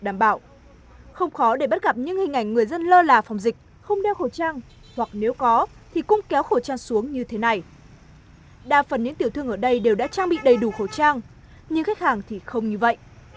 đa phần những tiểu thương ở đây đều đã trang bị đầy đủ khẩu trang nhưng khách hàng thì không như vậy